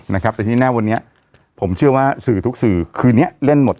นะครับแต่ที่แน่วันนี้ผมเชื่อว่าสื่อทุกสื่อคืนนี้เล่นหมด